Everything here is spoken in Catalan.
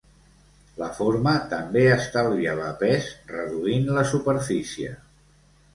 La forma també estalviava pes reduint la superfície.